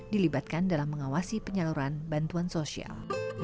dilibatkan dalam mengawasi penyaluran bantuan sosial